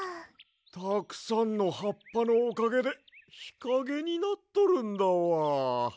たくさんのはっぱのおかげでひかげになっとるんだわ。